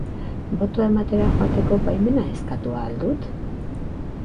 Botoa ematera joateko baimena eskatu ahal dut?